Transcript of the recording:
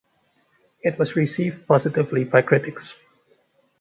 It was received positively by critics.